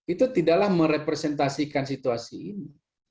itu tidaklah merepresentasikan situasi ini